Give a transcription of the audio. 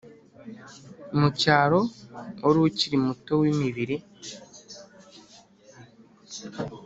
mucyaro wari ukiri muto wimibiri